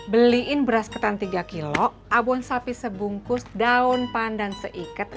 beliin beras ketan tiga kilo abon sapi sebungkus daun pandan seikat